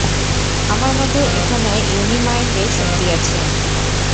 আমার মধ্যে এখনও ইউনি-মাইন্ডের শক্তি আছে।